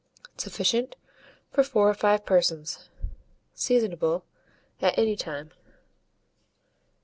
Sufficient for 4 or 5 persons. Seasonable at any time.